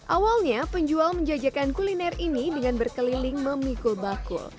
awalnya penjual menjajakan kuliner ini dengan berkeliling memikul bakul